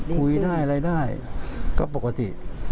คุยได้อะไรได้ก็ปกติ